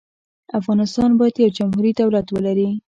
افغانستان باید یو جمهوري دولت ولري.